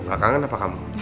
gak kangen apa kamu